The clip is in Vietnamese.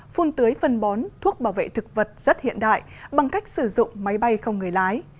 phun tưới phân bón thuốc bảo vệ thực vật rất hiện đại bằng cách sử dụng máy bay không người lái